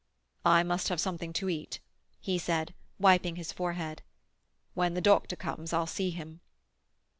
"I must have something to eat," he said, wiping his forehead. "When the doctor comes I'll see him."